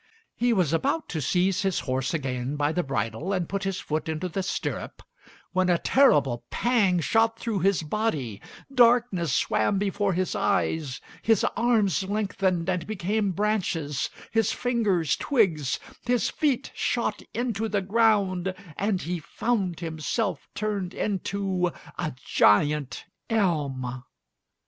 He was just about to seize his horse again by the bridle and put his foot into the stirrup, when a terrible pang shot through his body, darkness swam before his eyes, his arms lengthened and became branches, his fingers, twigs; his feet shot into the ground, and he found himself turned into a giant elm.